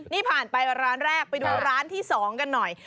นี่ผ่านไปร้านแรกไปดูร้านที่๒กันหน่อย